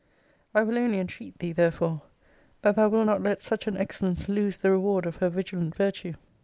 I will only entreat thee, therefore, that thou wilt not let such an excellence lose the reward of her vigilant virtue.